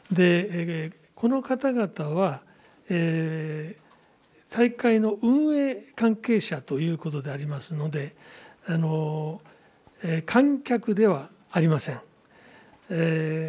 この方々は、大会の運営関係者ということでありますので、観客ではありません。